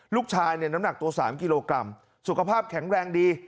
ลูกชายเนี่ยน้ำหนักตัว๓กิโลกรัมสุขภาพแข็งแรงดี